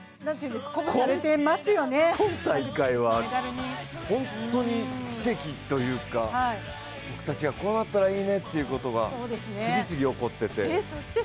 今大会は本当に奇跡というか、僕たちが、こうなったらいいねっていうことが次々起こってて。